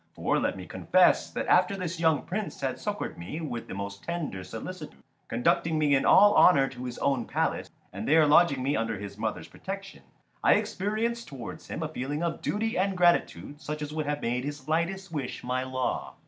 For let me confess that after this young Prince had succoured me with the most tender solicitude, conducting me in all honour to his own palace and there lodging me under his mother's protection, I experienced towards him a feeling of duty and gratitude such as would have made his lightest wish my law.